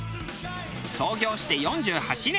創業して４８年。